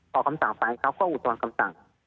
พอคำสั่งไปเขาก็อุทธรณ์คำสั่ง